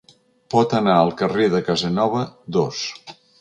Pot anar a Carrer de Casanova, dos.